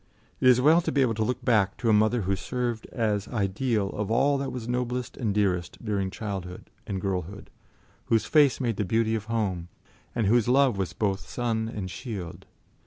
It is well to be able to look back to a mother who served as ideal of all that was noblest and dearest during childhood and girlhood, whose face made the beauty of home, and whose love was both sun and shield.